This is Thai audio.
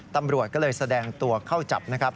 ตำรวจก็เลยแสดงตัวเข้าจับนะครับ